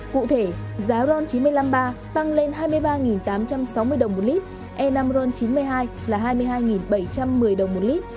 cụ thể giá ron chín trăm năm mươi ba tăng lên hai mươi ba tám trăm sáu mươi đồng một lít e năm ron chín mươi hai là hai mươi hai bảy trăm một mươi đồng một lít